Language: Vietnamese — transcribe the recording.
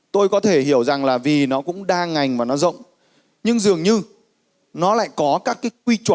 tôi có thể hiểu rằng là vì nó cũng đa ngành và nó rộng nhưng dường như nó lại có các cái quy chuẩn